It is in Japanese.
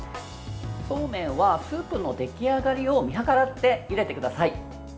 そうめんはスープの出来上がりを見計らってゆでてください。